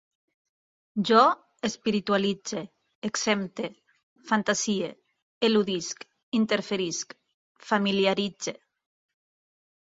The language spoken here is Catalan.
Jo espiritualitze, exempte, fantasie, eludisc, interferisc, familiaritze